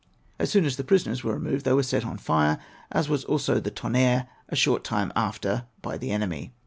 As soon as the prisoners were removed they were set on fire, as was also the Tonnerre, a short time after by the enemy.